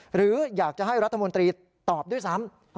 หรืออยากจะให้รัฐมนตรีตอบด้วยซ้ำ